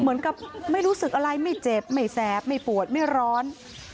เหมือนกับไม่รู้สึกอะไรไม่เจ็บไม่แสบไม่ปวดไม่ร้อน